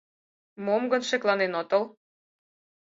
— Мом гын, шекланен отыл?